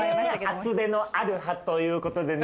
厚手のアロハということでね。